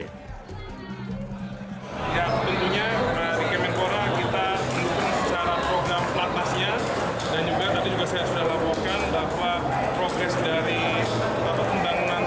dari pembangunan training center untuk atlet hambatan para atlet juga sedang kita koordinasikan